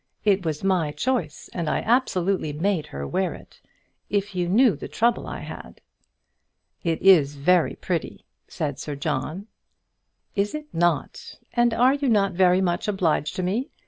"It was my choice, and I absolutely made her wear it. If you knew the trouble I had!" "It is very pretty," said Sir John. "Is it not? And are you not very much obliged to me?